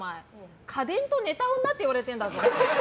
家電と寝た女って言われてるぞ。